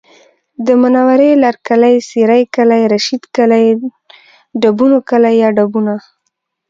د منورې لرکلی، سېرۍ کلی، رشید کلی، ډبونو کلی یا ډبونه